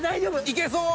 いけそう？